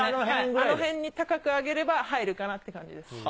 あの辺に高く上げれば入るかなって感じです。